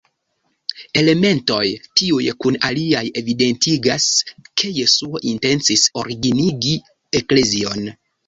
Elementoj tiuj kun aliaj evidentigas ke Jesuo intencis originigi eklezion.